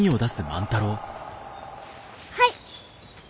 はい！